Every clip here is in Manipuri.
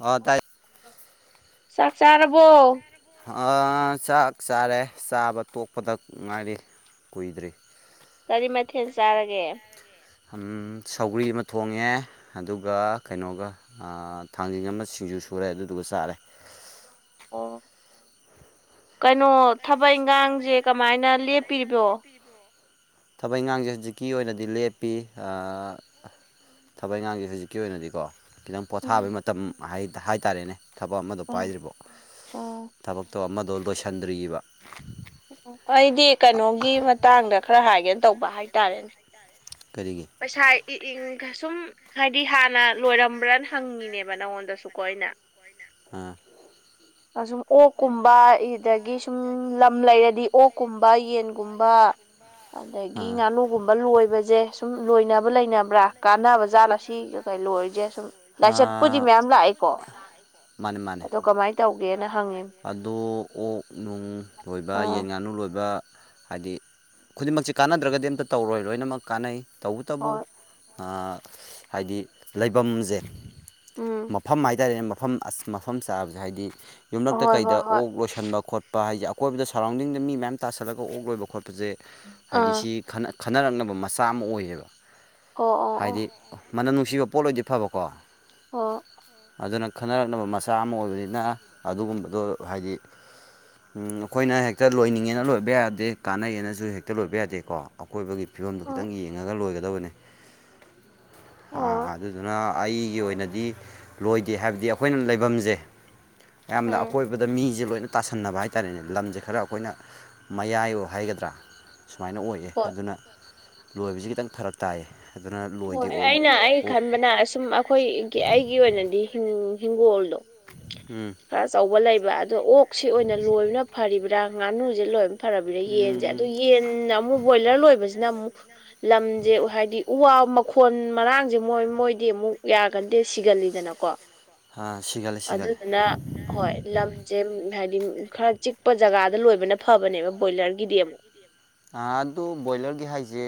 ꯍ ꯇꯥꯏ ꯆꯥꯛ ꯆꯥꯔꯕꯣ ꯆꯥꯛ ꯆꯥꯔꯦ ꯆꯥꯕ ꯇꯣꯛꯄꯗ ꯉꯥꯏꯔꯤ ꯀꯨꯏꯗ꯭ꯔꯤ ꯀꯔꯤ ꯃꯊꯦꯜ ꯆꯥꯔꯒꯦ ꯁꯧꯒ꯭ꯔꯤ ꯑꯃ ꯊꯣꯡꯉꯦ ꯑꯗꯨꯒ ꯀꯩꯅꯣꯒ ꯑꯥ ꯊꯥꯡꯖꯤꯡ ꯑꯃ ꯁꯤꯡꯖꯨ ꯁꯨꯔꯦ ꯑꯗꯨꯗꯨꯒ ꯆꯥꯔꯦ ꯑꯣ ꯀꯩꯅꯣ ꯊꯕꯛ ꯏꯪꯈꯥꯡꯁꯦ ꯀꯃꯥꯏꯅ ꯂꯦꯞꯄꯤꯔꯤꯕꯣ ꯊꯕꯛ ꯏꯉꯥꯡꯁꯦ ꯍꯧꯖꯤꯛꯀꯤ ꯑꯣꯏꯅꯗꯤ ꯂꯦꯞꯄꯤ ꯑꯥ ꯊꯕꯩꯉꯥꯡꯁꯦ ꯍꯧꯖꯤꯛꯀꯤ ꯑꯣꯏꯅꯗꯤꯀꯣ ꯈꯤꯇꯪ ꯎꯝ ꯄꯣꯊꯥꯕꯩ ꯃꯇꯝ ꯍꯥꯏꯇꯥꯔꯦꯅꯦ ꯊꯕꯛ ꯑꯃꯗꯣ ꯄꯥꯏꯗ꯭ꯔꯤꯕꯣ ꯎꯝ ꯊꯕꯛꯇꯣ ꯑꯃꯗꯣ ꯂꯣꯏꯁꯤꯟꯗ꯭ꯑꯔꯤꯕ ꯑꯩꯗꯤ ꯀꯩꯅꯣꯒꯤ ꯃꯇꯥꯡꯗ ꯈꯔ ꯍꯥꯏꯒꯦꯅ ꯇꯧꯕ ꯍꯥꯏꯇꯥꯔꯦꯅꯦ ꯀꯔꯤꯒꯤ ꯄꯩꯁꯥ ꯏ ꯏꯪꯒ ꯁꯨꯝ ꯍꯥꯏꯗꯤ ꯍꯥꯟꯅ ꯂꯣꯏꯔꯝꯕ꯭ꯔꯅ ꯍꯪꯉꯤꯅꯦꯕ ꯅꯪꯉꯣꯟꯗꯁꯨꯀꯣ ꯑꯩꯅ ꯑꯥ [inaudible] ꯁꯨꯝ ꯑꯣꯛꯀꯨꯝꯕ ꯑꯗꯒꯤ ꯁꯨꯝ ꯂꯝ ꯂꯩꯔꯗꯤ ꯑꯣꯛꯀꯨꯝꯕ ꯌꯦꯟꯒꯨꯝꯕ ꯑꯗꯒꯤ ꯑꯥ ꯉꯥꯅꯨꯒꯨꯝꯕ ꯂꯣꯏꯕꯁꯦ ꯁꯨꯝ ꯂꯣꯏꯅꯕ ꯂꯩꯅꯕ꯭ꯔꯥ ꯀꯥꯟꯅꯕ ꯖꯥꯠꯂ ꯁꯤ ꯀꯩꯀꯩ ꯂꯣꯏꯔꯤꯁꯦ ꯁꯨꯝ ꯂꯥꯏꯆꯠꯄꯨꯗꯤ ꯑꯥ ꯃꯌꯥꯝ ꯂꯥꯛꯏꯀꯣ ꯃꯥꯅꯦ ꯃꯥꯅꯦ ꯑꯗꯣ ꯀꯃꯥꯏꯅ ꯇꯧꯒꯦꯅ ꯍꯪꯉꯤꯅꯤ ꯑꯗꯣ ꯑꯣꯛ ꯅꯨꯡ ꯂꯣꯏꯕ ꯑꯥ ꯌꯦꯟ ꯉꯥꯅꯨ ꯂꯣꯏꯕ ꯍꯥꯏꯗꯤ ꯈꯨꯗꯤꯡꯃꯛꯁꯦ ꯀꯥꯟꯅꯗ꯭ꯔꯒꯗꯤ ꯑꯝꯇ ꯇꯧꯔꯣꯏ ꯂꯣꯏꯅꯃꯛ ꯀꯥꯟꯅꯩ ꯇꯧꯕꯇꯕꯨ ꯍꯣꯏ ꯍꯥꯏꯗꯤ ꯂꯩꯐꯝꯁꯦ ꯎꯝ ꯃꯐꯝ ꯍꯥꯏꯇꯥꯔꯦꯅꯦ ꯃꯐꯝ ꯑꯁ ꯃꯐꯝ ꯆꯥꯕꯁꯦ ꯍꯥꯏꯗꯤ ꯌꯨꯝꯂꯛꯇ ꯍꯣꯏ ꯍꯣꯏ ꯀꯩꯗ ꯍꯣꯏ ꯑꯣꯛ ꯂꯣꯏꯁꯟꯕ ꯈꯣꯠꯄ ꯄ ꯍꯥꯏꯁꯦ ꯑꯀꯣꯏꯕꯗ ꯁꯔꯥꯎꯟꯗꯤꯡꯗ ꯃꯤ ꯃꯌꯥꯝ ꯇꯥꯁꯜꯂꯒ ꯑꯣꯛ ꯂꯣꯏꯕ ꯈꯣꯠꯄꯁꯦ ꯍꯥꯏꯗꯤ ꯑꯥ ꯁꯤ ꯈꯟꯅ ꯈꯟꯅꯔꯛꯅꯕ ꯃꯆꯥ ꯑꯃ ꯑꯣꯏꯌꯦꯕ ꯑꯣ ꯑꯣ ꯑꯣ ꯍꯥꯏꯗꯤ ꯃꯅꯝ ꯅꯨꯡꯁꯤꯕ ꯄꯣꯠ ꯑꯣꯏꯗꯤ ꯐꯕꯀꯣ ꯑꯣ ꯑꯗꯨꯅ ꯈꯟꯅꯔꯛꯅꯕ ꯃꯆꯥ ꯑꯃ ꯑꯣꯏꯕꯅꯤꯅ ꯑꯗꯨꯒꯨꯝꯕꯗꯣ ꯍꯥꯏꯗꯤ ꯎꯝ ꯑꯩꯈꯣꯏꯅ ꯍꯦꯛꯇ ꯂꯣꯏꯅꯤꯡꯉꯦꯅ ꯂꯣꯏꯕ ꯌꯥꯗꯦ ꯀꯥꯟꯅꯩꯌꯦꯅꯁꯨ ꯍꯦꯛꯇ ꯂꯣꯏꯕ ꯌꯥꯗꯦꯀꯣ ꯑꯀꯣꯏꯕꯒꯤ ꯐꯤꯕꯝꯗꯣ ꯑꯣ ꯈꯤꯇꯪ ꯌꯦꯡꯉꯒ ꯂꯣꯏꯒꯗꯕꯅꯦ ꯑꯣ ꯑꯥ ꯑꯗꯨꯗꯨꯅ ꯑꯩꯒꯤ ꯑꯣꯏꯅꯗꯤ ꯂꯣꯏꯗꯦ ꯍꯥꯏꯕꯗꯤ ꯑꯩꯈꯣꯏꯅ ꯂꯩꯐꯝꯁꯦ ꯌꯥꯝꯅ ꯎꯝ ꯑꯀꯣꯏꯕꯗ ꯃꯤꯁꯦ ꯂꯣꯏꯅ ꯇꯥꯁꯟꯅꯕ ꯍꯥꯏꯇꯥꯔꯦꯅꯦ ꯂꯝꯁꯦ ꯈꯔ ꯑꯩꯈꯣꯏꯅ ꯃꯌꯥꯏ ꯍꯥꯏꯒꯗ꯭ꯔꯥ ꯁꯨꯃꯥꯏꯅ ꯑꯣꯏ ꯍꯣꯏ ꯑꯗꯨꯅ ꯂꯣꯏꯕꯁꯤ ꯈꯤꯇꯪ ꯐꯔꯛ ꯇꯥꯏꯌꯦ ꯑꯗꯨꯅ ꯂꯣꯏꯗꯦ ꯍꯣꯏ ꯑꯣꯛ ꯑꯩꯅ ꯑꯩ ꯑꯣꯛ ꯈꯟꯕꯅ ꯁꯨꯝ ꯑꯩꯈꯣꯏꯒꯤ ꯑꯩꯒꯤ ꯑꯣꯏꯅꯗꯤ ꯍꯤꯡꯒꯣꯜꯗꯣ ꯎꯝ ꯈꯔ ꯑꯆꯧꯕ ꯂꯩꯕ ꯑꯗꯣ ꯑꯣꯛꯁꯤ ꯑꯣꯏꯅ ꯂꯣꯏꯕꯅ ꯐꯔꯤꯕ꯭ꯔꯥ ꯉꯥꯅꯨꯁꯦ ꯂꯣꯏ ꯐꯔꯕ꯭ꯔ ꯎꯝ ꯌꯦꯟꯁꯦ ꯑꯗꯨ ꯌꯦꯟꯅ ꯑꯃꯨꯛ ꯕꯣꯏꯂꯔ ꯂꯣꯏꯕꯁꯤꯅ ꯑꯃꯨꯛ ꯂꯝꯁꯦ ꯍꯥꯏꯗꯤ ꯎ ꯋꯥ ꯃꯈꯣꯟ ꯃꯔꯥꯡꯁꯦ ꯃꯣꯏ ꯃꯣꯏꯗꯤ ꯑꯃꯨꯛ ꯌꯥꯒꯟꯗꯦ ꯁꯤꯒꯜꯂꯤꯗꯅꯀꯣ ꯎꯝ ꯁꯤꯒꯠꯂꯦ ꯁꯤꯒꯠꯂꯦ ꯑꯗꯨꯗꯨꯅ ꯍꯣꯏ ꯂꯝꯁꯦ ꯍꯥꯏꯗꯤ ꯈꯔ ꯆꯤꯛꯄ ꯖꯒꯥꯗ ꯂꯣꯏꯕꯅ ꯐꯕꯅꯦꯕ ꯕꯣꯏꯂꯔꯒꯤꯗꯤ ꯑꯃꯨꯛ ꯑꯗꯨ ꯕꯣꯏꯂꯔꯒꯤ ꯍꯥꯏꯁꯦ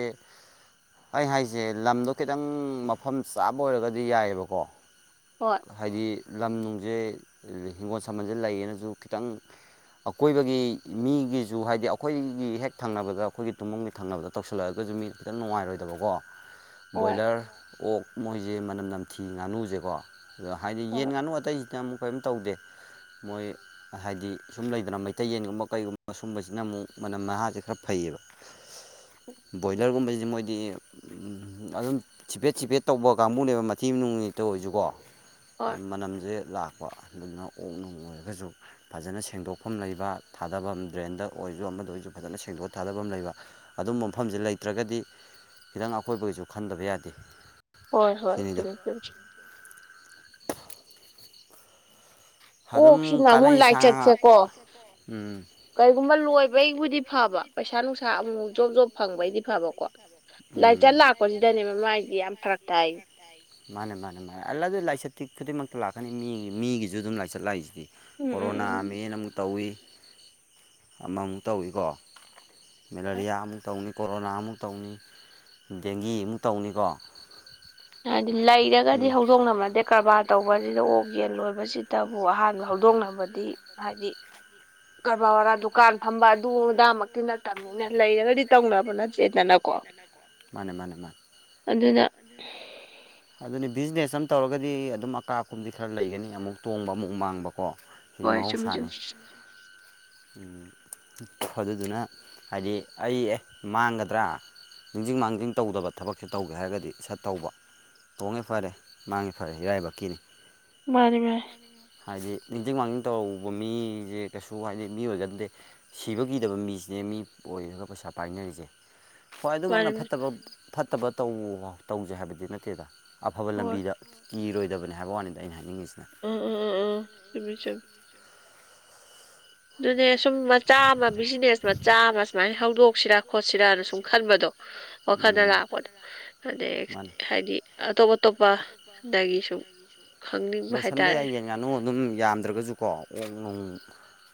ꯑꯩ ꯍꯥꯏꯁꯦ ꯂꯝꯗꯣ ꯈꯤꯇꯪ ꯃꯐꯝ ꯆꯥꯕ ꯑꯣꯏꯔꯒꯗꯤ ꯌꯥꯏꯑꯕꯀꯣ ꯍꯣꯏ ꯍꯥꯏꯗꯤ ꯂꯝ ꯅꯨꯡꯁꯦ ꯍꯤꯡꯒꯣꯜ ꯁꯥꯝꯕꯜꯁꯦ ꯂꯩꯌꯦꯅꯁꯨ ꯈꯤꯇꯪ ꯑꯀꯣꯏꯕꯒꯤ ꯃꯤꯒꯤꯁꯨ ꯍꯥꯏꯗꯤ ꯑꯩꯈꯣꯏꯒꯤ ꯍꯦꯛ ꯊꯪꯅꯕꯗ ꯑꯩꯈꯣꯏꯒꯤ ꯇꯨꯝꯐꯝꯒꯤ ꯊꯪꯅꯕꯗ ꯇꯧꯁꯤꯜꯂꯛꯑꯒꯁꯨ ꯃꯤ ꯈꯤꯇꯪ ꯅꯨꯡꯉꯥꯏꯔꯣꯏꯗꯕꯀꯣ ꯍꯣꯏ ꯕꯣꯏꯂꯔ ꯑꯣꯛ ꯃꯣꯏꯁꯦ ꯃꯅꯝ ꯅꯝꯊꯤ ꯉꯥꯅꯨꯁꯦꯀꯣ ꯑꯗꯣ ꯍꯥꯏꯗꯤ ꯌꯦꯟ ꯍꯣꯏ ꯉꯥꯅꯨ ꯑꯇꯩꯁꯤꯅ ꯑꯃꯨꯛ ꯀꯔꯤꯝ ꯇꯧꯗꯦ ꯃꯣꯏ ꯍꯥꯏꯗꯤ ꯁꯨꯝ ꯂꯩꯗꯅ ꯃꯩꯇꯩ ꯌꯦꯟꯒꯨꯝꯕ ꯀꯩꯒꯨꯝꯕ ꯁꯨꯝꯕꯁꯤꯅ ꯑꯃꯨꯛ ꯃꯅꯝ ꯃꯍꯥꯁꯦ ꯈꯔ ꯐꯩꯌꯦꯕ ꯕꯣꯏꯂꯔꯒꯨꯝꯕꯁꯤꯗꯤ ꯃꯣꯏꯗꯤ ꯎꯝ ꯑꯗꯨꯝ ꯆꯤꯐꯦꯠ ꯆꯤꯐꯦꯠ ꯇꯧꯕ ꯀꯥꯡꯕꯨꯅꯦꯕ ꯃꯊꯤ ꯅꯨꯡꯇ ꯑꯣꯏꯁꯤꯀꯣ ꯍꯣꯏ ꯃꯅꯝꯁꯦ ꯂꯥꯛꯄ ꯑꯗꯨꯗꯨꯅ ꯑꯣꯛ ꯅꯨꯡ ꯑꯣꯏꯔꯒꯁꯨ ꯐꯖꯅ ꯁꯦꯡꯗꯣꯛꯐꯝ ꯂꯩꯕ ꯊꯥꯗꯐꯝ ꯗ꯭ꯔꯦꯟꯗ ꯑꯣꯏꯁꯨ ꯑꯃꯗ ꯑꯣꯏꯁꯨ ꯐꯖꯅ ꯁꯦꯡꯗꯣꯛ ꯊꯥꯗꯐꯝ ꯂꯩꯕ ꯑꯗꯨꯝꯕ ꯃꯐꯝꯁꯦ ꯂꯩꯇ꯭ꯔꯒꯗꯤ ꯈꯤꯇꯪ ꯑꯀꯣꯏꯕꯒꯤꯁꯨ ꯈꯟꯗꯕ ꯌꯥꯗꯦ ꯍꯣꯏ ꯍꯣꯏ ꯁꯤꯅꯤꯗ ꯆꯨꯝꯃꯦ ꯆꯨꯝꯃꯦ ꯑꯣ ꯑꯗꯨꯝ ꯁꯤꯅꯥ ꯑꯃꯨꯛ ꯀꯥꯟꯅꯩ ꯁꯥ ꯉꯥ ꯂꯥꯏꯆꯦꯠꯆꯠ ꯀꯣ ꯎꯝ ꯀꯔꯤꯒꯨꯝꯕ ꯂꯣꯏꯕꯩꯕꯨꯗꯤ ꯐꯕ ꯄꯩꯁꯥ ꯅꯨꯡꯁꯥ ꯑꯃꯨꯛ ꯖꯣꯕ ꯖꯣꯕ ꯐꯪꯕꯩꯗꯤ ꯐꯕꯀꯣ ꯂꯥꯏꯆꯠ ꯎꯝ ꯂꯥꯛꯄꯁꯤꯗꯅꯦ ꯃꯥꯒꯤ ꯌꯥꯝ ꯐꯔ ꯇꯥꯏ ꯃꯥꯅꯦ ꯃꯥꯅꯦ ꯃꯥꯅꯦ ꯑꯜ ꯑꯗꯨ ꯂꯥꯏꯆꯠꯇꯤ ꯈꯨꯗꯤꯡꯃꯛꯇ ꯂꯥꯛꯀꯅꯤ ꯃꯤꯒꯤ ꯃꯤꯒꯤꯁꯨ ꯑꯗꯨꯝ ꯂꯥꯏꯆꯠ ꯂꯥꯛꯏꯁꯤꯗꯤ ꯎꯝ ꯎꯝ ꯀꯣꯔꯣꯅꯥꯅꯦꯅ ꯑꯃꯨꯛ ꯇꯧꯏꯤ ꯑꯃꯃꯨꯛ ꯇꯧꯏꯀꯣ ꯃꯦꯂꯔꯤꯌꯥ ꯑꯃꯨꯛ ꯇꯧꯅꯤ ꯀꯣꯔꯣꯅꯥ ꯑꯃꯨꯛ ꯇꯧꯅꯤ ꯗꯦꯡꯒꯤ ꯑꯃꯨꯛ ꯇꯧꯅꯤꯀꯣ ꯍꯥꯏꯗꯤ ꯂꯩꯔꯒꯗꯤ ꯍꯧꯗꯣꯛꯅꯝꯃꯗꯦ ꯀꯔꯕꯥꯔ ꯇꯧꯕꯁꯤꯗ ꯑꯣꯛ ꯌꯦꯜ ꯂꯣꯏꯕꯁꯤꯡ ꯇꯕꯨ ꯑꯍꯥꯟꯕ ꯍꯧꯗꯣꯛꯅꯕꯗꯤ ꯍꯥꯏꯗꯤ ꯀꯔꯕꯥꯔ ꯋꯥꯔꯥ ꯗꯨꯀꯥꯟ ꯐꯝꯕ ꯑꯗꯨ ꯑꯗꯥ ꯃꯛꯇꯤ ꯅꯠꯇꯝ ꯂꯩꯔꯒꯗꯤ ꯇꯧꯅꯕ ꯅꯠꯇꯦꯗꯅꯀꯣ ꯃꯥꯅꯦ ꯃꯥꯅꯦ ꯃꯥꯅꯦ ꯑꯗꯨꯅ ꯑꯗꯨꯅꯤ ꯕꯤꯖꯤꯅꯦꯁ ꯑꯃ ꯇꯧꯔꯒꯗꯤ ꯑꯗꯨꯝ ꯑꯀꯥ ꯑꯀꯨꯝꯗꯤ ꯈꯔ ꯂꯩꯒꯅꯤ ꯑꯃꯨꯛ ꯇꯣꯡꯕ ꯑꯃꯨꯛ ꯃꯥꯡꯕꯀꯣ ꯁꯤ ꯋꯥꯣꯏꯁ ꯃ [inaudible] ꯎ ꯑꯗꯨꯗꯨꯅ ꯍꯥꯏꯗꯤ ꯑꯩ ꯑꯦ ꯃꯥꯡꯒꯗ꯭ꯔꯥ ꯅꯤꯡꯁꯤꯡ ꯃꯥꯡꯖꯤꯡ ꯇꯧꯗꯕ ꯊꯕꯛꯁꯦ ꯇꯧꯒꯦ ꯍꯥꯏꯔꯒꯗꯤ ꯁꯠ ꯇꯧꯕ ꯇꯣꯡꯉꯦ ꯐꯔꯦ ꯃꯥꯡꯉꯦ ꯐꯔꯦ ꯏꯔꯥꯏꯕꯛꯀꯤꯅꯤ ꯃꯥꯅꯦ ꯃꯥꯅꯦ ꯍꯥꯏꯗꯤ ꯅꯤꯡꯁꯤꯡ ꯃꯥꯡꯖꯤꯡ ꯇꯧꯕ ꯃꯤꯁꯦ ꯀꯩꯁꯨ ꯍꯥꯏꯗꯤ ꯃꯤ ꯑꯣꯏꯒꯟꯗꯦ ꯁꯤꯕꯒꯤꯗꯕ ꯃꯤꯁꯤꯅꯦ ꯃꯤ ꯑꯣꯏꯔꯒ ꯄꯩꯁꯥ ꯄꯥꯏꯅꯔꯤꯁꯦ ꯍꯣꯏ ꯑꯗꯨꯃꯛꯅ ꯃꯥꯅꯤ ꯃꯥꯅꯤ ꯐꯠꯇꯕ ꯐꯠꯇꯕ ꯇꯧ ꯇꯧꯖꯦ ꯍꯥꯏꯕꯗꯤ ꯅꯠꯇꯦꯗ ꯑꯐꯕ ꯍꯣꯏ ꯂꯝꯕꯤꯗ ꯀꯤꯔꯣꯏꯗꯕꯅꯤ ꯍꯥꯏꯕ ꯋꯥꯅꯤꯗ ꯑꯩꯅ ꯍꯥꯏꯅꯤꯡꯉꯤꯁꯤꯅ ꯑꯣ ꯑꯣ ꯑꯣ ꯑꯣ ꯁ ꯆ [inaudible] ꯑꯗꯨꯅꯦ ꯁꯨꯝ ꯃꯆꯥ ꯑꯃ ꯕꯤꯖꯤꯅꯦꯁ ꯃꯆꯥ ꯑꯃ ꯁꯨꯃꯥꯏꯅ ꯍꯧꯗꯣꯛꯁꯤꯔ ꯈꯣꯠꯁꯤꯔꯥꯅ ꯁꯨꯝ ꯈꯟꯕꯗꯣ ꯋꯥꯈꯜꯗ ꯎꯝ ꯂꯥꯛꯄꯗꯣ ꯑꯗꯩ ꯃꯥꯅꯤ ꯍꯥꯏꯗꯤ ꯑꯇꯣꯞ ꯑꯇꯣꯞꯄꯗꯒꯤꯁꯨꯝ ꯂꯣꯏꯁꯤꯟꯕ ꯌꯥꯏ ꯌꯦꯟ ꯉꯥꯅꯨ ꯑꯗꯨꯝ ꯌꯥꯝꯗ꯭ꯔꯒꯁꯨꯀꯣ ꯑꯣꯛ ꯅꯣꯡ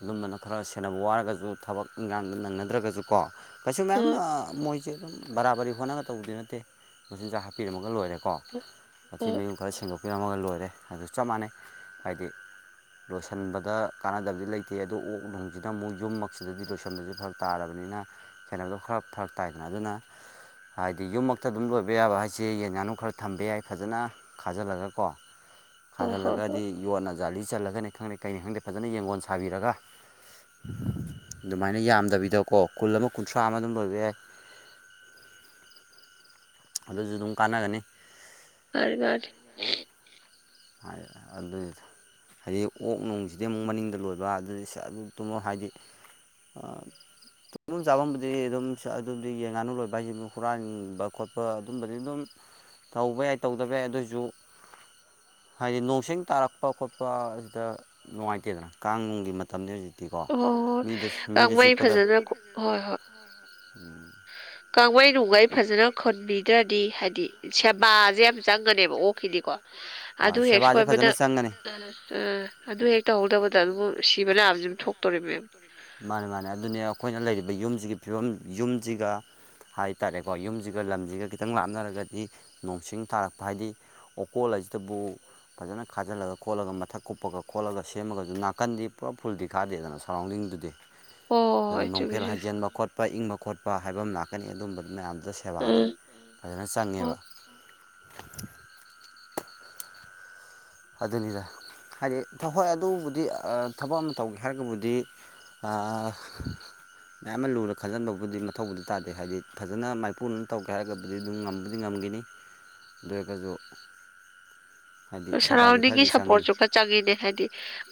ꯑꯗꯨꯝꯕꯅ ꯈꯔ ꯁꯦꯟꯅꯕ ꯋꯥꯔꯒꯁꯨ ꯊꯕꯛ ꯏꯟꯈꯥꯡꯗ ꯅꯪꯅꯗ꯭ꯔꯒꯁꯨꯀꯣ ꯀꯩꯁꯨ ꯃꯌꯥꯝ ꯍꯣꯏ ꯃꯣꯏꯁꯦ ꯑꯗꯨꯝ ꯕꯔꯥꯕꯔꯤ ꯍꯣꯠꯅꯒ ꯇꯧꯕꯗꯤ ꯅꯠꯇꯦ ꯃꯆꯤꯟꯖꯥꯛ ꯍꯥꯞꯄꯤꯔꯝꯃꯒ ꯂꯣꯏꯔꯦꯀꯣ ꯃꯊꯤ ꯍꯣꯏ ꯃꯌꯨꯡ ꯈꯔ ꯁꯦꯡꯗꯣꯛꯄꯤꯔꯝꯃꯒ ꯂꯣꯏꯔꯦ ꯑꯗꯨ ꯆꯞ ꯃꯥꯟꯅꯩ ꯍꯥꯏꯗꯤ ꯂꯣꯏꯁꯤꯟꯕꯗ ꯀꯥꯟꯅꯗꯕꯗꯤ ꯂꯩꯇꯦ ꯑꯗꯨ ꯑꯣꯛ ꯅꯨꯡꯁꯤꯅ ꯑꯃꯨꯛ ꯌꯨꯝꯃꯛꯁꯤꯗꯗꯤ ꯂꯣꯏꯁꯤꯟꯕꯁꯦ ꯐꯔ ꯇꯥꯔꯕꯅꯤꯅ ꯀꯩꯅꯣꯗꯣ ꯈꯔ ꯐꯔꯛ ꯇꯥꯏꯗꯅ ꯑꯗꯨꯅ ꯍꯥꯏꯗꯤ ꯌꯨꯝꯃꯛꯇ ꯑꯗꯨꯝ ꯂꯣꯏꯕ ꯌꯥꯕ ꯍꯥꯏꯁꯦ ꯌꯦꯟ ꯉꯥꯅꯨ ꯈꯔ ꯊꯝꯕ ꯌꯥꯏ ꯐꯖꯅ ꯈꯥꯖꯤꯜꯂꯒ ꯀꯣ ꯍꯣꯏ ꯍꯣꯏ ꯍꯣꯏ ꯈꯥꯖꯤꯜꯂꯒꯗꯤ ꯌꯣꯠꯅ ꯖꯥꯂꯤ ꯆꯜꯂꯒꯅꯤ ꯈꯪꯗꯦ ꯀꯩꯩꯅꯦ ꯈꯪꯗꯦ ꯐꯖꯅ ꯌꯦꯡꯒꯣꯟ ꯁꯥꯕꯤꯔꯒ ꯑꯗꯨꯃꯥꯏꯅ ꯌꯥꯝꯗꯕꯤꯗꯀꯣ ꯀꯨꯜ ꯑꯃ ꯀꯨꯟꯊ꯭ꯔꯥ ꯑꯃ ꯑꯗꯨꯝ ꯂꯣꯏꯕ ꯌꯥꯏ ꯑꯗꯨꯁꯨ ꯑꯗꯨꯝ ꯀꯥꯟꯅꯒꯅꯤ ꯑꯔꯕꯥ [inaudible] ꯍꯥꯏ ꯑꯗꯨꯢꯅꯦ ꯍꯥꯏꯗꯤ ꯑꯣꯛ ꯅꯨꯡꯁꯤꯗꯤ ꯑꯃꯨꯛ ꯃꯅꯤꯡꯗ ꯂꯣꯏꯕ ꯑꯗꯨꯗꯤ ꯑꯗꯨ ꯇꯨꯝꯃꯣ ꯍꯥꯏꯗꯤ ꯑꯥ [unintelligible] ꯇꯨꯝꯐꯝ ꯆꯥꯐꯝꯕꯨꯗꯤ ꯑꯗꯨꯝ ꯑꯗꯨꯗꯤ ꯌꯦꯟ ꯉꯥꯅꯨ ꯂꯣꯏꯕ ꯍꯥꯏꯁꯤ ꯍꯨꯔꯥꯟꯕ ꯈꯣꯠꯄ ꯑꯗꯨꯝꯕꯗꯤ ꯑꯗꯨꯝ ꯇꯧꯕ ꯌꯥꯏ ꯇꯧꯗꯕ ꯌꯥꯏ ꯑꯗꯨꯑꯣꯏꯁꯨ ꯍꯥꯏꯗꯤ ꯅꯣꯡꯁ ꯇꯥꯔꯛꯄ ꯈꯣꯠꯄ ꯑꯁꯤꯗ ꯅꯨꯡꯉꯥꯏꯇꯦꯗꯅ ꯀꯥꯡꯅꯨꯡꯒꯤ ꯃꯇꯝꯅꯤ ꯍꯧꯖꯤꯛ ꯤꯀꯣ ꯍꯣꯏ ꯍꯣꯏ ꯃꯤꯗ ꯃꯤꯗ ꯀꯥꯡꯃꯩ ꯆꯤꯛꯄꯗ ꯐꯖꯅ ꯎ ꯀꯥꯡꯒꯩ ꯅꯨꯡꯒꯩ ꯐꯖꯅ ꯈꯣꯟꯕꯤꯗ꯭ꯔꯗꯤ ꯍꯥꯏꯗꯤ ꯁꯦꯕꯥꯁꯦ ꯌꯥꯝ ꯆꯪ ꯪꯒꯅꯦꯕ ꯑꯣꯛꯈꯤꯗꯤꯀꯣ ꯑꯗꯨ ꯍꯦꯛ ꯁꯦꯕꯥꯁꯦ ꯁꯣꯏꯕꯗ ꯐꯖꯅ ꯆꯪꯒꯅꯤ ꯑ ꯑꯥ ꯑꯗꯨ ꯍꯦꯛ ꯇꯧꯍꯧꯗꯕꯗ ꯑꯗꯨꯕꯨ ꯁꯤꯕ ꯂꯅꯥꯑꯕꯕꯁꯤ ꯑꯗꯨꯝ ꯊꯣꯛꯇꯧꯔꯤꯕ ꯃꯦꯝ ꯃꯥꯅꯦ ꯃꯥꯅꯦ ꯑꯗꯨꯅꯦ ꯑꯩꯈꯣꯏꯅ ꯂꯩꯔꯤꯕ ꯌꯨꯝꯁꯤꯒꯤ ꯐꯤꯕꯝ ꯌꯨꯝꯁꯤꯒ ꯍꯥꯏ ꯇꯔꯦꯀꯣ ꯌꯨꯝꯁꯤꯒ ꯂꯝꯁꯤꯒ ꯈꯤꯇꯪ ꯂꯥꯞꯅꯔꯒꯗꯤ ꯅꯣꯡꯁꯤꯡ ꯊꯥꯔꯛꯄ ꯍꯥꯏꯗꯤ ꯑꯣꯀꯣꯜ ꯍꯥꯏꯁꯤꯗꯕꯨ ꯐꯖꯅ ꯈꯥꯖꯤꯜꯂꯒ ꯈꯣꯠꯂꯒ ꯃꯊꯛ ꯀꯨꯞꯄꯒ ꯈꯣꯠꯂꯒ ꯁꯦꯝꯃꯒꯁꯨ ꯅꯥꯀꯟꯗꯤ ꯄꯨꯔꯥ ꯐꯨꯜꯗꯤ ꯈꯥꯗꯦꯗꯅ ꯑꯗꯨꯅ ꯁꯔꯥꯎꯟꯗꯤꯡꯗꯨꯗꯤ ꯍꯣꯏ ꯍꯣꯏ ꯑꯗꯨꯅ ꯍꯣꯏ ꯆꯨꯝꯃꯤ ꯅꯣꯡꯐꯦꯜ ꯆꯨꯝꯃꯤ ꯍꯥꯢꯖꯦꯟꯕ ꯈꯣꯠꯄ ꯏꯪꯕ ꯈꯣꯠꯄ ꯍꯥꯏꯕ ꯑꯃ ꯂꯥꯛꯀꯅꯤ ꯑꯗꯨꯝꯕ ꯃꯌꯥꯝꯗꯨ ꯁꯦꯕꯥꯁꯦ ꯎꯝ ꯐꯖꯅ ꯆꯪꯉꯦꯕ ꯑꯗꯨꯅꯤꯗ ꯍꯥꯏꯗꯤ ꯊꯥ ꯑꯗꯨꯕꯨꯗꯤ ꯊꯕꯛ ꯑꯃ ꯇꯧꯒꯦ ꯍꯥꯏꯔꯒꯕꯨꯗꯤ ꯑꯥ ꯃꯌꯥꯝ ꯑꯃ ꯂꯨꯅ ꯈꯟꯖꯟꯕꯕꯨꯗꯤ ꯃꯊꯧꯕꯨꯗꯤ ꯇꯥꯗꯦ ꯍꯥꯏꯗꯤ ꯐꯖꯅ ꯃꯥꯏꯄꯨꯅꯅ ꯇꯧꯒꯦ ꯍꯥꯏꯔꯒ ꯑꯗꯨꯩ ꯑꯗꯨꯝ ꯉꯝꯕꯗꯤ ꯉꯝꯈꯤꯅꯤ ꯑꯗꯨ ꯑꯣꯏꯔꯒꯁꯨ ꯍꯥꯏꯗꯤ ꯁꯦꯕꯥꯗꯤ ꯁꯔꯥꯎꯟꯗꯤꯡꯒꯤ ꯈꯔꯗꯤ ꯆꯪꯉꯅꯤ ꯁꯞꯄꯣꯔꯠꯁꯨ ꯈꯔ ꯆꯪꯉꯤꯅꯦ ꯍꯥꯏꯗꯤ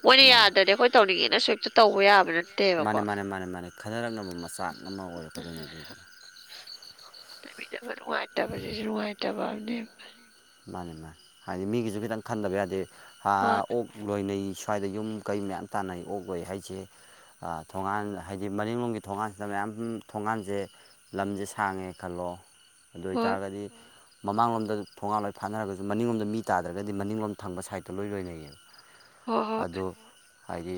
ꯃꯣꯏꯅ ꯃꯥꯅꯤ ꯌꯥꯗ꯭ꯔꯦ ꯍꯣꯏ ꯇꯧꯅꯤꯡꯉꯦꯅ ꯁꯁꯨ ꯍꯦꯛꯇ ꯇꯧꯕ ꯌꯥꯕꯅ ꯃꯥꯅꯦ ꯃꯥꯅꯦ ꯃꯥꯅꯦ ꯃꯥꯅꯦ ꯈꯟꯅꯔꯛꯅꯕ ꯃꯆꯥꯛ ꯑꯃ ꯑꯣꯏꯔꯛꯀꯗꯣꯏꯅꯤ ꯑꯗꯨꯒꯤ ꯂꯩꯕꯤꯅꯕ ꯅꯨꯡꯉꯥꯏꯇꯕꯁꯤꯁꯨ ꯅꯨꯡꯉꯥꯏꯇꯕ ꯑꯅꯦ ꯃꯥꯅꯦ ꯃꯥ ꯍꯥꯏꯗꯤ ꯃꯤꯦꯒꯤꯁꯨ ꯈꯤꯇꯪ ꯈꯥꯟꯖꯕ ꯌꯥ ꯑꯗꯗꯤ ꯍꯥ ꯑꯣꯛ ꯂꯣꯏꯅꯩ ꯁ꯭ꯋꯥꯏꯗ ꯌꯨꯝ ꯀꯩ ꯃꯌꯥꯝ ꯇꯥꯟꯅꯩ ꯑꯣꯛꯂꯣꯏ ꯍꯥꯏꯁꯦ ꯊꯣꯡꯒꯥꯟ ꯍꯥꯏꯗꯤ ꯃꯅꯤꯡꯡꯂꯣꯝꯒꯤ ꯊꯣꯡꯒꯥꯟꯁꯤꯗ ꯃꯌꯥꯝ ꯊꯣꯡꯒꯥꯟꯁꯦ ꯂꯝꯁꯦ ꯁꯥꯡꯉꯦ ꯈꯜꯂꯣ ꯑꯗꯨ ꯍꯣꯏ ꯍꯣꯏ ꯑꯣꯏꯇꯥꯔꯒꯗꯤ ꯃꯃꯥꯡꯂꯣꯝꯗ ꯊꯣꯉꯥ ꯂꯣꯏ ꯐꯥꯅꯔꯒꯁꯨ ꯃꯅꯤꯡꯂꯣꯝꯗ ꯃꯤ ꯇꯥꯗ꯭ꯔꯒꯗꯤ ꯃꯅꯤꯡꯂꯝ ꯊꯪꯕ ꯁꯥꯏꯠꯇꯇ ꯂꯣꯏ ꯂꯣꯏꯅꯩꯌꯦꯕ ꯍꯣꯏ ꯍꯣꯏ ꯑꯗꯨ ꯍꯥꯏꯗꯤ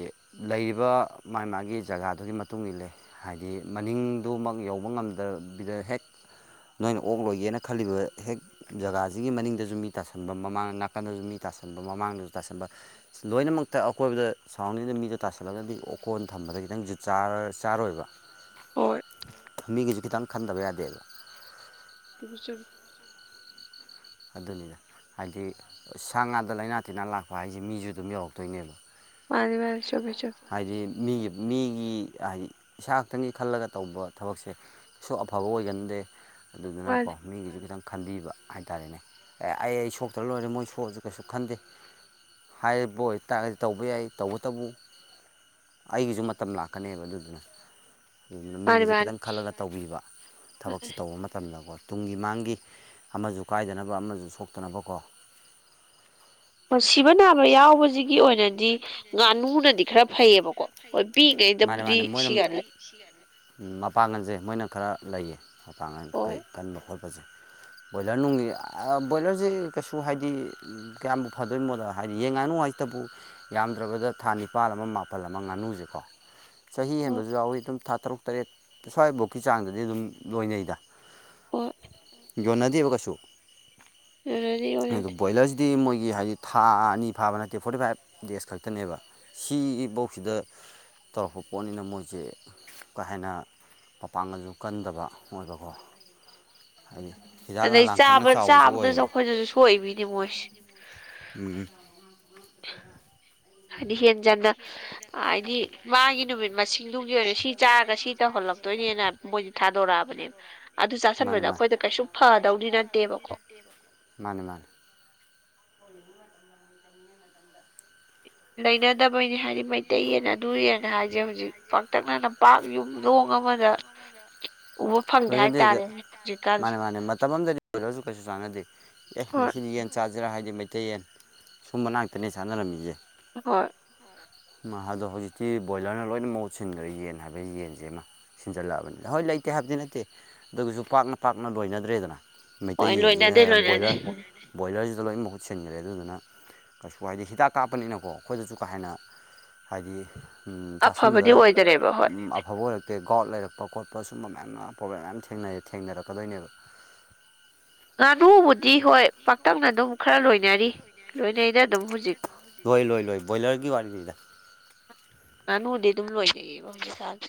ꯂꯩꯔꯤꯕ ꯃꯥꯥꯏ ꯃꯥꯒꯤ ꯖꯒꯥꯗꯨꯒꯤ ꯃꯇꯨꯡ ꯏꯜꯂꯦ ꯍꯥꯏꯗꯤ ꯃꯅꯤꯡꯗꯨꯃꯛ ꯌꯧꯕ ꯉꯝꯗꯕꯤꯗ ꯍꯦꯛ ꯅꯣꯏꯅ ꯑꯣꯛ ꯂꯣꯏꯒꯦꯅ ꯈꯜꯂꯤꯕ ꯍꯦꯛ ꯖꯒꯥꯁꯤꯒꯤ ꯃꯅꯤꯡꯗꯁꯨ ꯃꯤ ꯇꯥꯁꯟꯕ ꯃꯃꯥꯡ ꯅꯥꯀꯟꯗꯁꯨ ꯃꯤ ꯇꯥꯁꯟꯕ ꯃꯃꯥꯡꯗꯁꯨ ꯇꯥꯁꯟꯕ ꯂꯣꯏꯅꯃꯛꯇ ꯑꯀꯣꯏꯕꯗ ꯁꯔꯥꯎꯟꯗꯤꯡꯗ ꯃꯤꯗꯣ ꯇꯥꯁꯜꯂꯒꯗꯤ ꯎꯀꯣꯟ ꯊꯝꯕꯗ ꯈꯤꯇꯪꯁꯨ ꯆꯥꯔꯣꯏꯕ ꯍꯣꯏ ꯃꯤꯒꯤꯁꯨ ꯈꯤꯇꯪ ꯈꯟꯗꯕ ꯌꯥꯗꯦꯕ ꯁꯤꯒꯤꯁꯨ ꯑꯗꯨꯅꯤꯗ ꯍꯥꯏꯗꯤ ꯁꯥ ꯉꯥꯗ ꯂꯥꯏꯅꯥ ꯇꯤꯟꯅꯥ ꯂꯥꯛꯄ ꯍꯥꯏꯁꯦ ꯃꯤꯁꯨ ꯑꯗꯨꯝ ꯌꯧꯔꯛꯇꯣꯏꯅꯦꯕ ꯃꯥ ꯃꯥꯅꯤꯁꯨꯨꯕ ꯆꯣꯦ ꯍꯥꯏꯗꯤ ꯃꯤꯒꯤ ꯃꯤꯒꯤ ꯍꯥꯏꯗꯤ ꯏꯁꯥ ꯈꯛꯇꯪꯒꯤ ꯈꯜꯂꯒ ꯇꯧꯕ ꯊꯕꯛꯁꯦ ꯁꯨ ꯑꯐꯕ ꯑꯣꯏꯒꯟꯗꯦ ꯑꯗꯨꯗꯨꯅꯀꯣ ꯃꯥꯅꯤ ꯃꯤꯒꯤꯁꯨ ꯈꯤꯇꯪ ꯈꯟꯕꯤꯕ ꯍꯥꯏꯇꯥꯔꯦꯅꯦ ꯑꯩ ꯑꯩ ꯁꯣꯛꯇ꯭ꯔ ꯂꯣꯏꯔꯦ ꯃꯣꯏ ꯁꯣꯛꯑꯁꯨ ꯀꯩꯁꯨ ꯈꯟꯗꯦ ꯍꯥꯏꯔꯤꯕꯣꯏ ꯇꯥꯛꯔꯒꯗꯤ ꯇꯧꯕ ꯌꯥꯏ ꯇꯧꯕꯇꯕꯨ ꯑꯩꯒꯤꯁꯨ ꯃꯇꯝ ꯂꯥꯛꯀꯅꯦꯕ ꯑꯗꯨꯗꯨꯅ ꯑꯗꯨꯅ ꯃꯥꯅꯤ ꯃꯤꯒꯤꯁꯨꯦ ꯃꯥꯅꯤ ꯈꯤꯇꯪ ꯈꯜꯂꯒ ꯇꯧꯕꯤꯕ ꯊꯕꯛꯁꯦ ꯇꯧꯕ ꯃꯇꯝꯗꯀꯣ ꯇꯨꯡꯒꯤ ꯃꯥꯡꯒꯤ ꯑꯃꯁꯨ ꯀꯥꯏꯗꯅꯕ ꯑꯃꯁꯨ ꯁꯣꯛꯇꯅꯕꯀꯣ ꯁꯤꯕ ꯅꯥꯕ ꯌꯥꯎꯕꯁꯤꯒꯤ ꯑꯣꯏꯅꯗꯤ ꯉꯥꯅꯨꯅꯗꯤ ꯈꯔ ꯐꯩꯌꯦꯕꯀꯣ ꯍꯣꯏ ꯄꯤꯛꯉꯩꯗꯕꯨꯗꯤ ꯁꯤꯒꯂ ꯁꯤꯌꯥꯅꯤ ꯃꯄꯥꯡꯒꯜꯁꯦ ꯃꯣꯏꯅ ꯈꯔ ꯂꯩꯌꯦ ꯃꯄꯥꯡꯒꯜ ꯍꯣꯏ ꯀꯩ ꯀꯟꯕ ꯈꯣꯠꯄꯁꯦ ꯕꯣꯏꯂꯔ ꯅꯨꯡꯒꯤ ꯕꯣꯏꯂꯔꯁꯦ ꯀꯩꯁꯨ ꯍꯥꯏꯗꯤ ꯀꯌꯥꯝꯕꯨ ꯐꯗꯣꯏꯅꯣꯗ ꯍꯥꯏꯗꯤ ꯌꯦꯡꯉꯅꯨ ꯍꯥꯏꯁꯤꯇꯕꯨ ꯌꯥꯝꯗ꯭ꯔꯕꯗ ꯊꯥ ꯅꯤꯄꯥꯜ ꯑꯃ ꯃꯥꯄꯜ ꯑꯃ ꯉꯥꯅꯨꯁꯦꯀꯣ ꯆꯍꯤ ꯍꯣꯏ ꯍꯦꯟꯕꯁꯨ ꯌꯥꯎꯏꯤ ꯑꯗꯨꯝ ꯊꯥ ꯇꯔꯨꯛ ꯇꯔꯦꯠ ꯁ꯭ꯋꯥꯏꯐꯧꯀꯤ ꯆꯥꯡꯗꯗꯤ ꯑꯗꯨꯝ ꯂꯣꯏꯅꯩꯗ ꯍꯣꯏ ꯌꯣꯟꯅꯗꯦꯕ ꯀꯩꯁꯨ ꯑꯣꯏꯔꯅꯤ ꯑꯗꯨ ꯑꯣꯏꯔꯅꯤ ꯕꯣꯏꯂꯔ ꯗꯤ ꯃꯣꯏꯒꯤ ꯍꯥꯏꯗꯤ ꯊꯥ ꯑꯅꯤ ꯐꯥꯕ ꯅꯠꯇꯦ ꯐꯣꯔꯇꯤ ꯐꯥꯏꯚ ꯗꯦꯖ ꯈꯛꯇꯅꯦꯕ ꯁꯤꯐꯧꯁꯤꯗ ꯇꯧꯔꯛꯄ ꯄꯣꯠꯅꯤꯅ ꯃꯣꯏꯁꯦ ꯀꯩ ꯍꯥꯏꯅꯤ ꯃꯄꯥꯡꯒꯜꯁꯨ ꯀꯟꯗꯕ ꯃꯣꯏꯕꯀꯣ [unintelligible] ꯑꯗꯩ ꯂꯥꯡꯊꯛꯅ ꯆꯥꯕ ꯆꯥꯎꯕꯁꯨ ꯆꯥꯕꯗꯁꯨ ꯑꯣꯏꯌꯦꯕ ꯑꯩꯈꯣꯏꯗꯁꯨ ꯁꯣꯛꯏꯕꯤꯅꯤ ꯃꯣꯏ ꯎꯝ ꯍꯥꯏꯗꯤ ꯍꯦꯟꯖꯟꯅ ꯍꯥꯏꯗꯤ ꯃꯥꯒꯤ ꯅꯨꯃꯤꯠ ꯃꯁꯤꯡꯗꯨꯒꯤ ꯑꯣꯏꯅ ꯁꯤ ꯆꯥꯔꯒ ꯁꯤ ꯇꯧꯍꯜꯂꯛꯇꯣꯏꯅꯦꯅ ꯃꯣꯏꯗꯤ ꯊꯥꯗꯣꯔꯛꯑꯕꯅꯦꯕ ꯑꯗꯨ ꯃꯥꯅꯦ ꯆꯥꯥꯁꯟꯕꯗ ꯃꯥꯅꯦ ꯑꯩꯈꯣꯏꯗ ꯀꯩꯁꯨꯝ ꯐꯗꯧꯗꯤ ꯅꯠꯇꯦꯕꯀꯣ ꯃꯥꯅꯦ ꯃꯥꯅꯦ ꯂꯩꯅꯗꯕꯩꯅꯤ ꯍꯥꯏꯗꯤ ꯃꯩꯇꯩꯌꯦꯅ ꯑꯗꯨꯌꯦꯅ ꯍꯥꯏꯁꯦ ꯍꯧꯖꯤꯛ ꯄꯥꯛꯇꯛꯅꯅ ꯄꯥꯛ ꯌꯨꯝꯗꯣꯡ ꯑꯃꯗ ꯎꯕ ꯐꯪꯗꯦ ꯂꯣꯏꯖꯗꯦꯗ ꯍꯥꯏꯇꯥꯔꯦꯅꯦ ꯍꯧꯖꯤꯛꯀꯥꯟꯁꯦ ꯃꯥꯅꯦ ꯃꯥꯅꯦ ꯃꯇꯝ ꯑꯃꯗꯅꯤ [unintelligible] ꯀꯩꯁꯨ ꯆꯥꯟꯅꯗꯦ ꯑꯦ ꯍꯣꯏ ꯉꯥꯁꯗꯤ ꯌꯦꯟ ꯆꯥ [unintelligible] ꯍꯥꯏꯗꯤ ꯃꯩꯇꯩꯌꯦꯟ ꯁꯨꯝꯕꯅꯥꯛꯇꯅꯦ ꯁꯥꯟꯅꯔꯝꯃꯤꯁꯦ ꯍꯣꯏ ꯑꯗꯣ ꯍꯧꯖꯤꯛꯇꯤ ꯕꯣꯏꯂꯔꯅ ꯂꯣꯏꯅ ꯃꯍꯨꯠ ꯁꯤꯟꯈ꯭ꯔꯦ ꯌꯦꯟ ꯍꯥꯏꯕ ꯌꯦꯟꯁꯤꯃ ꯁꯤꯟꯖꯜꯂꯛꯑꯕꯅꯤꯅ ꯍꯣꯏ ꯂꯩꯇꯦ ꯍꯥꯏꯕꯗꯤ ꯅꯠꯇꯦ ꯑꯗꯨꯑꯣꯏꯁꯨ ꯄꯥꯛꯅ ꯄꯥꯛꯅ ꯂꯣꯏꯅꯗ꯭ꯔꯦꯗꯅ ꯃꯩꯇꯩ ꯍꯣꯏ ꯌꯦꯟꯁꯤ ꯂꯣꯏꯅꯗꯦ ꯂꯣꯏꯅꯗꯦ ꯕꯣꯏꯂꯔ ꯕꯣꯏꯂꯔꯅꯥ ꯂꯣꯏꯅ ꯃꯍꯨꯠ ꯁꯤꯟꯈ꯭ꯔꯦ ꯑꯗꯨꯗꯨꯅ ꯀꯩꯁꯨ ꯍꯥꯏꯗꯤ ꯍꯤꯗꯥꯛ ꯀꯥꯞꯄꯅꯤꯅꯀꯣ ꯑꯩꯈꯣꯏꯗꯁꯨ ꯀꯥ ꯍꯦꯟꯅ ꯍꯥꯏꯗꯤ ꯑꯐꯕꯗꯤ ꯆꯥꯁꯟꯕꯗ ꯑꯣꯏꯗꯔꯦꯕ ꯍꯣꯏ ꯑꯐꯕ ꯑꯣꯏꯔꯛꯇꯦ ꯒꯥꯎꯠ ꯂꯩꯔꯛꯄ ꯈꯣꯠꯄ ꯁꯨꯝꯕ ꯃꯌꯥꯝꯅ ꯄ꯭ꯔꯣꯕ꯭ꯂꯦꯝ ꯃꯌꯥꯝ ꯊꯦꯡꯅꯩ ꯊꯦꯡꯅꯔꯛꯀꯗꯣꯏꯅꯦꯕ ꯉꯥꯅꯨꯕꯨꯗꯤ ꯍꯣꯏ ꯄꯥꯛꯇꯛꯅ ꯑꯗꯨꯝ ꯈꯔ ꯂꯣꯏꯅꯔꯤ ꯂꯣꯏꯅꯩ ꯂꯣꯏ ꯂꯣꯏ ꯂꯣꯏ ꯕꯣꯏꯂꯔꯒꯤ ꯋꯥꯔꯤꯅꯤꯗꯥ ꯉꯥꯅꯨꯗꯤ ꯑꯗꯨꯝ ꯂꯣꯏꯅꯩꯌꯦꯕ ꯍꯧꯖꯤꯛ ꯀꯟꯁꯦ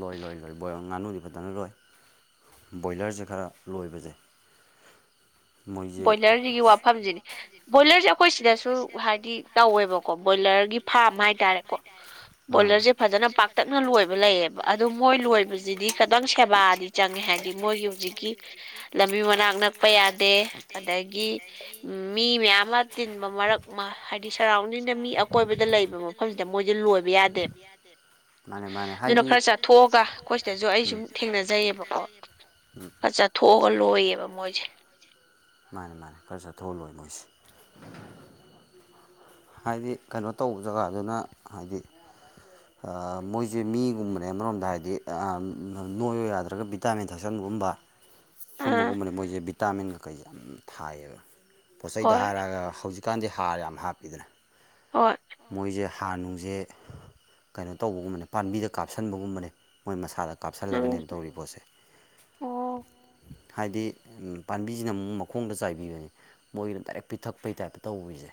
ꯂꯣꯏ ꯂꯣꯏ ꯂꯣꯏ ꯕꯣꯏ ꯉꯥꯅꯨꯗꯤ ꯐꯖꯅ ꯂꯣꯏ ꯕꯣꯏꯂꯔꯁꯦ ꯈꯔ ꯂꯣꯏꯕꯁꯦ ꯃꯣꯏꯁꯦ ꯕꯣꯏꯂꯔꯒꯤ ꯋꯥꯐꯝꯁꯤꯅꯤ ꯕꯣꯏꯂꯔꯁꯦ ꯑꯩꯈꯣꯏ ꯁꯤꯗꯁꯨ ꯍꯥꯏꯗꯤ ꯇꯧꯋꯦꯕꯀꯣ ꯕꯣꯏꯂꯔꯒꯤ ꯐꯥꯔꯝ ꯍꯥꯏꯇꯥꯔꯦꯀꯣ ꯑꯥ ꯕꯣꯏꯂꯔꯁꯦ ꯐꯖꯅ ꯄꯥꯛꯇꯛꯅ ꯂꯣꯏꯕ ꯂꯩꯌꯦꯕ ꯑꯗꯨꯗ ꯃꯣꯏ ꯂꯣꯏꯕꯁꯤꯗꯤ ꯈꯤꯇꯪ ꯁꯦꯕꯥꯗꯤ ꯆꯪꯉꯦ ꯍꯥꯏꯗꯤ ꯃꯣꯏꯒꯤ ꯍꯧꯖꯤꯛꯀꯤ ꯂꯝꯕꯤ ꯃꯅꯥꯛ ꯅꯛꯄ ꯌꯥꯗꯦ ꯑꯗꯒꯤ ꯎꯝ ꯃꯤ ꯃꯌꯥꯝ ꯑꯃ ꯇꯤꯟꯕ ꯃꯔꯛ ꯍꯥꯏꯗꯤ ꯁꯔꯥꯎꯟꯗꯤꯡꯗ ꯃꯤ ꯑꯀꯣꯏꯕꯗ ꯂꯩꯕ ꯃꯐꯝꯁꯤꯗ ꯃꯣꯏꯁꯦ ꯂꯣꯏꯕ ꯌꯥꯗꯦꯕ ꯃꯥꯅꯦ ꯃꯥꯅꯦ ꯑꯗꯨꯅ ꯍꯥꯏꯗꯤ ꯈꯔ ꯆꯥꯊꯣꯛꯑꯒ ꯑꯩꯈꯣꯏ ꯁꯤꯗꯁꯨ ꯑꯩ ꯁꯨꯝ ꯊꯦꯡꯅꯖꯩꯑꯕꯀꯣ ꯈꯔ ꯆꯠꯊꯣꯛꯑꯒ ꯂꯣꯏꯌꯦꯕ ꯃꯣꯏꯁꯦ ꯃꯥꯅꯦ ꯃꯥꯅꯦ ꯈꯔ ꯆꯠꯊꯣꯛꯑꯒ ꯂꯣꯏ ꯃꯣꯏꯁꯦ ꯍꯥꯏꯗꯤ ꯀꯩꯅꯣ ꯇꯧꯕ ꯖꯒꯥꯗꯨꯅ ꯍꯥꯏꯗꯤ ꯃꯣꯏꯁꯦ ꯃꯤꯒꯨꯝꯕꯅꯦ ꯑꯃꯔꯣꯝꯗ ꯍꯥꯏꯗꯤ ꯅꯣꯏ ꯌꯥꯗ꯭ꯔꯒ ꯚꯤꯇꯥꯃꯤꯟ ꯊꯛꯆꯟꯒꯨꯝꯕ [inaudible] ꯑꯥ ꯁꯨꯝꯕꯒꯨꯝꯕꯅꯤ ꯃꯣꯏꯁꯦ ꯚꯤꯇꯥꯃꯤꯟ ꯈꯩꯁꯦ ꯌꯥꯝ ꯊꯥꯏꯌꯦꯕ ꯄꯣꯠꯆꯩꯗ ꯍꯣꯏ ꯍꯥꯏꯔꯛꯑꯒ ꯍꯧꯖꯤꯛ ꯍꯧꯖꯤꯛꯀꯟꯗꯤ ꯍꯥꯔ ꯌꯥꯝ ꯍꯥꯞꯄꯤꯗꯅ ꯍꯣꯏ ꯃꯣꯏꯁꯦ ꯍꯥꯟꯅꯨꯁꯦ ꯀꯩꯅꯣ ꯇꯧꯕꯒꯨꯝꯕꯅꯦ ꯄꯥꯝꯕꯤꯗ ꯀꯥꯞꯁꯤꯟꯕꯒꯨꯝꯕꯅꯦ ꯃꯣꯏ ꯃꯁꯥꯗ ꯎꯝ ꯀꯥꯞꯁꯤꯜꯂꯒꯅꯦꯕ ꯇꯧꯔꯤꯕ ꯄꯣꯠꯁꯦ ꯑꯣ ꯍꯥꯏꯗꯤ ꯄꯥꯟꯕꯤꯖꯤꯅ ꯑꯃꯨꯛ ꯃꯈꯣꯡꯗ ꯆꯥꯏꯕꯤꯕꯅꯤ ꯃꯣꯏꯅ ꯗꯥꯏꯔꯦꯛ ꯄꯤꯊꯛꯄꯩ ꯇꯥꯏꯞꯇ ꯇꯧꯕꯤꯖꯦ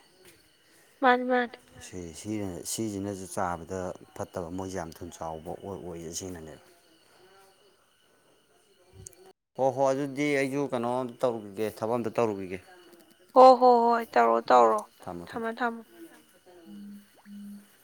ꯃꯥꯅꯤ ꯃꯥꯅꯤ ꯁꯦ ꯁꯤꯅ ꯁꯤꯖꯤꯅꯖꯨ ꯆꯥꯝꯕꯗ ꯐꯠꯇꯕ ꯃꯣꯏꯖꯦ ꯌꯥꯝ ꯊꯨꯅ ꯆꯥꯎꯕ ꯑꯣꯏ ꯑꯣꯏꯖꯦ ꯁꯤꯅꯅꯦꯕ [unintelligible] ꯍꯣꯏ ꯍꯣꯏ ꯑꯗꯨꯗꯤ ꯑꯩꯁꯨ ꯀꯩꯅꯣꯝ ꯇꯧꯔꯨꯒꯤꯒꯦ ꯊꯕꯛ ꯑꯝꯇ ꯇꯧꯔꯨꯒꯤꯒꯦ ꯍꯣ ꯍꯣ ꯍꯣꯏ ꯇꯧꯔꯣ ꯇꯧꯔꯣ ꯊꯝꯃꯣ ꯊꯝꯃꯣ ꯝ [unintelligible]